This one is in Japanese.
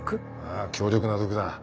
ああ強力な毒だ。